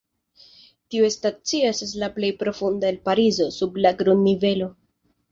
Tiu stacio estas la plej profunda el Parizo: sub la grund-nivelo.